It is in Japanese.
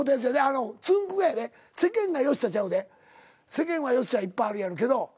世間は「よっしゃ」いっぱいあるやろうけど。